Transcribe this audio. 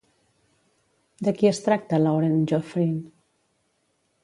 De qui es tracta Laurent Joffrin?